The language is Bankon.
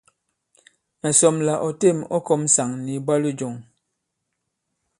Mɛ̀ sɔm la ɔ têm ɔ kɔ̄m ŋsàŋ nì ìbwalo jɔ̄ŋ.